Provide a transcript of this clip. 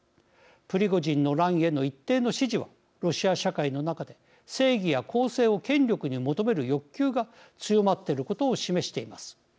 プリゴジンの乱への一定の支持はロシア社会の中で正義や公正を権力に求める欲求が強まってることを示しています。